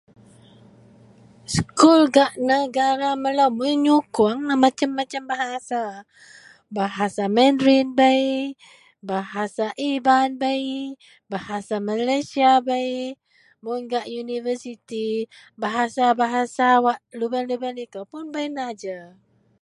Sekul gak negara melo menyukong macam--macam bahasa, bahasa mandrin bei, bahasa iban bei, bei bahasa malaysia mun gak universiti bahasa-bahasa wak lubeng likou pun beri ajar.